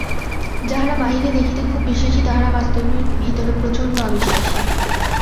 যাহারা বাহিরে দেখিতে খুব বিশ্বাসী, তাহারা বাস্তবিক ভিতরে প্রচণ্ড অবিশ্বাসী।